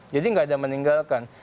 jadi tidak ada meninggalkan